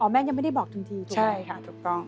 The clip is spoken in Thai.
อ๋อแม่ยังไม่ได้บอกจริงใช่ค่ะถูกต้อง